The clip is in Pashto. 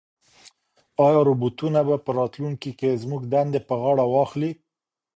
ایا روبوټونه به په راتلونکي کې زموږ دندې په غاړه واخلي؟